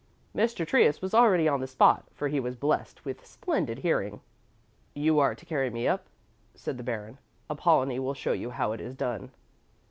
Mr. Trius was already on the spot, for he was blessed with splendid hearing. "You are to carry me up," said the Baron. "Apollonie will show you how it is done."